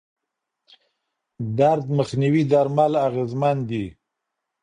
درد مخنیوي درمل اغېزمن دي.